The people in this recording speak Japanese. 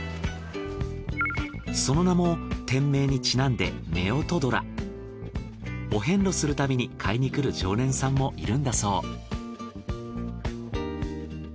その名も店名にちなんで夫婦どら。お遍路するたびに買いに来る常連さんもいるんだそう。